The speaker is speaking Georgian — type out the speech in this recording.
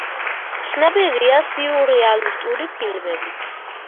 ცნობილია სიურრეალისტური ფილმებით.